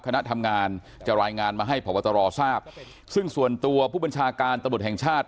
คณะทำงานจะรายงานมาให้พบตรทราบซึ่งส่วนตัวผู้บัญชาการตำรวจแห่งชาติ